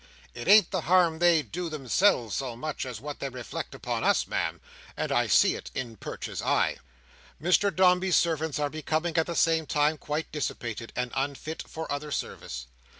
It ain't the harm they do themselves so much as what they reflect upon us, Ma'am; and I see it in Perch's eye." Mr Dombey's servants are becoming, at the same time, quite dissipated, and unfit for other service.